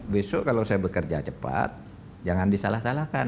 besok kalau saya bekerja cepat jangan disalah salahkan